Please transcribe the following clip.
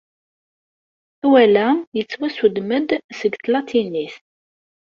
Awal-a yettwassuddem-d seg tlatinit.